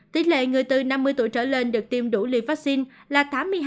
tỷ lệ người từ năm mươi tuổi trở lên được tiêm đủ liều vaccine là tám mươi hai ba mươi ba